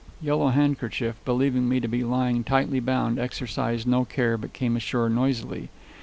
Yellow Handkerchief, believing me to be lying tightly bound, exercised no care, but came ashore noisily.